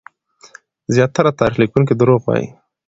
زياتره تاريخ ليکونکي دروغ وايي.